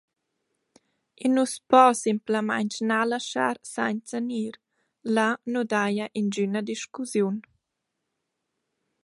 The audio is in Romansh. I nu’s po simplamaing na laschar sainza gnir, là nu daja ingüna discussiun.